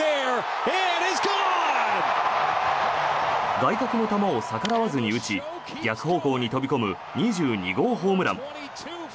外角の球を逆らわずに打ち逆方向に飛び込む２２号ホームラン。